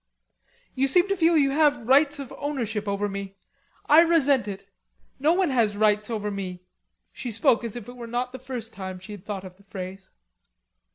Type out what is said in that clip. "You seem to feel you have rights of ownership over me. I resent it. No one has rights over me." She spoke as if it were not the first time she had thought of the phrase.